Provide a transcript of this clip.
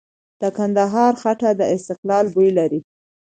د کندهار خټه د استقلال بوی لري.